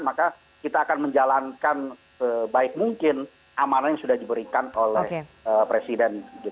maka kita akan menjalankan sebaik mungkin amanah yang sudah diberikan oleh presiden